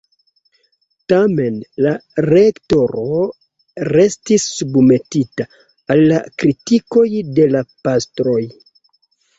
Tamen, la rektoro restis submetita al la kritikoj de la pastroj.